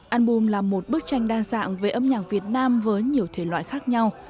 album là một bức tranh đa dạng về âm nhạc việt nam với nhiều thể loại khác nhau